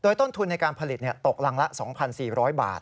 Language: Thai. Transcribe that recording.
ต้นทุนในการผลิตตกรังละ๒๔๐๐บาท